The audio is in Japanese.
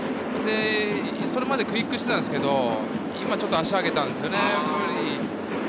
それまでクイックだったんですけれど、今ちょっと足を上げたんですよね。